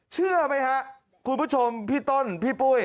เชื่อไหมครับคุณผู้ชมพี่ต้นพี่ปุ้ย